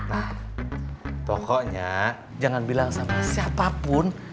nah pokoknya jangan bilang sama siapapun